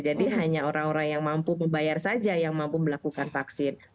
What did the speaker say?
jadi hanya orang orang yang mampu membayar saja yang mampu melakukan vaksin